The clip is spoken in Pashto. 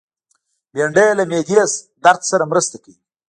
بېنډۍ له معدې درد سره مرسته کوي